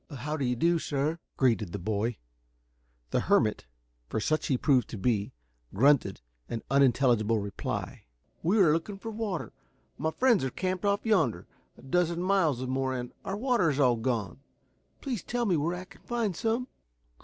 "How do you do, sir!" greeted the boy. The hermit, for such he proved to be, grunted an unintelligible reply. "We are looking for water. My friends are camped off yonder, a dozen miles or more, and our water is all gone. Please tell me where I can find some?"